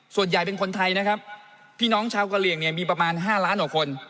ส่วนใหญ่เป็นคนไทยนะครับพี่น้องชาวกะเหลี่ยงเนี่ยมีประมาณ๕ล้านกว่าคน